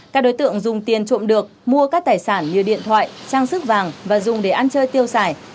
các đối tượng dùng tiền trộm được mua các tài sản như điện thoại trang sức vàng và dùng để ăn chơi tiêu xài